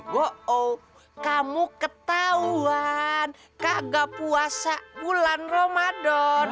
wow kamu ketahuan kagak puasa bulan romadhon